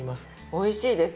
おいしいです